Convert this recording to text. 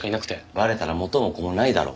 バレたら元も子もないだろ。